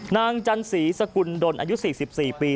จันสีสกุลดลอายุ๔๔ปี